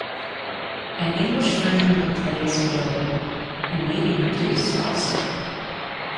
An English version of the play is available, and may be produced also.